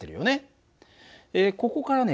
ここからね